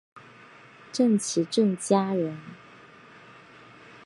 郑琦郑家人。